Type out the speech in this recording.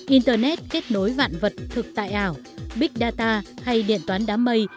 internet kết nối vạn vật thực tại ảo big data hay điện toán đám mây